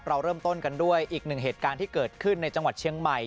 เราเริ่มต้นกันด้วยอีกหนึ่งเหตุการณ์ที่เกิดขึ้นในจังหวัดเชียงใหม่